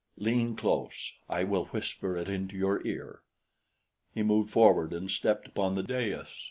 Lean close I will whisper it into your ear." He moved forward and stepped upon the dais.